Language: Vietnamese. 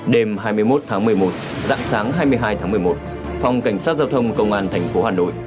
đêm hai mươi một tháng một mươi một dạng sáng hai mươi hai tháng một mươi một phòng cảnh sát giao thông công an tp hà nội